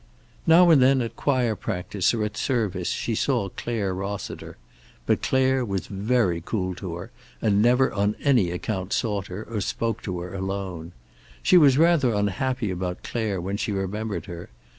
Now and then, at choir practice or at service, she saw Clare Rossiter. But Clare was very cool to her, and never on any account sought her, or spoke to her alone. She was rather unhappy about Clare, when she remembered her.